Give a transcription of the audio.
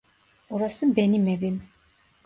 Orası benim evim.